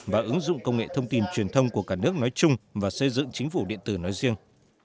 và ứng dụng công nghệ thông tin truyền thông của cả nước nói chung và xây dựng chính phủ điện tử nói riêng